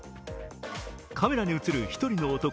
カメラに映る１人の男。